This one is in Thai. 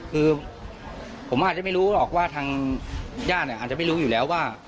คือผมอาจจะไม่รู้หรอกว่าทางญาติอาจจะไม่รู้อยู่แล้วว่า